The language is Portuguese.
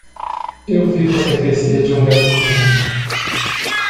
Eu vi você crescer de um garotinho.